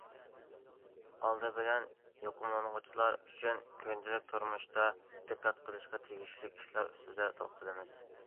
ئالدى بىلەن يۇقۇملانغۇچىلار ئۈچۈن كۈندىلىك تۇرمۇشتا دىققەت قىلىشقا تېگىشلىك ئىشلار ئۈستىدە توختىلىمىز.